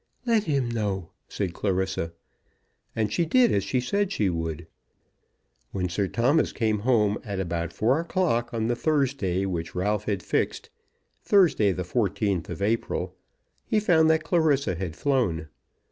"Let him know," said Clarissa. And she did as she said she would. When Sir Thomas came home at about four o'clock on the Thursday which Ralph had fixed, Thursday, the fourteenth of April, he found that Clarissa had flown.